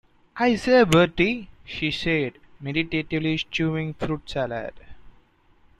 "I say, Bertie," she said, meditatively chewing fruit salad.